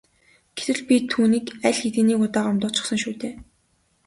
Гэтэл би түүнийг аль хэдийн нэг удаа гомдоочихсон шүү дээ.